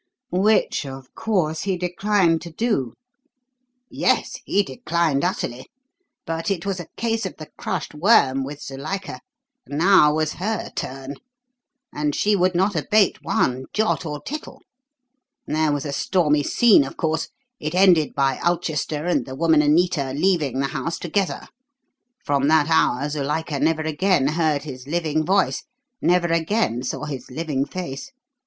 "Which, of course, he declined to do?" "Yes. He declined utterly. But it was a case of the crushed worm, with Zuilika. Now was her turn; and she would not abate one jot or tittle. There was a stormy scene, of course. It ended by Ulchester and the woman Anita leaving the house together. From that hour Zuilika never again heard his living voice, never again saw his living face!